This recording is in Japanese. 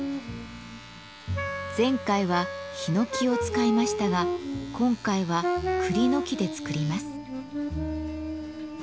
前回はヒノキを使いましたが今回はクリの木で作ります。